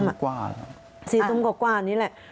สี่ทุ้มกว่าน่ะสี่ทุ้มกว่านี้แหละ